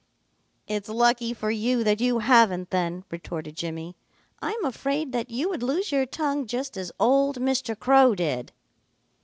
"It's lucky for you that you haven't then," retorted Jimmy. "I'm afraid that you would lose your tongue just as old Mr. Crow did."